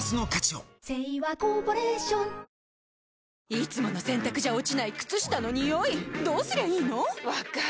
いつもの洗たくじゃ落ちない靴下のニオイどうすりゃいいの⁉分かる。